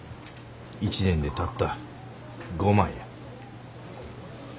１年でたった５万や。